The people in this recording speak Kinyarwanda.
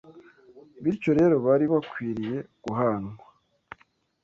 Bityo rero bari bakwiriye guhanwa